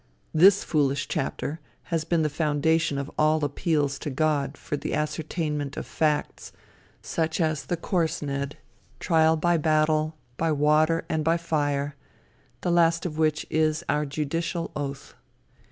This foolish chapter has been the foundation of all appeals to God for the ascertainment of facts, such as the corsned, trial by battle, by water, and by fire, the last of which is our judicial oath.